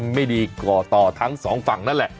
ไม่ดีก่อต่อทั้งสองฝั่งนั่นแหละ